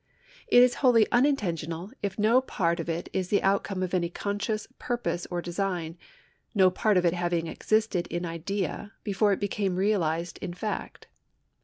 It is wholly unintentional if no part of it is the outcome of any conscious purpose or design, no part of it having existed in idea before it became realised in fact.